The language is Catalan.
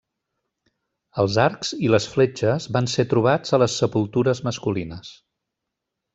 Els arcs i les fletxes van ser trobats a les sepultures masculines.